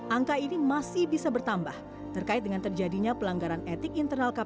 angka ini masih bisa bertambah terkait dengan terjadinya pelanggaran etik internal kpk pada dua ribu sembilan belas